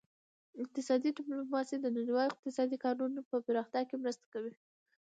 اقتصادي ډیپلوماسي د نړیوال اقتصادي قانون په پراختیا کې مرسته کوي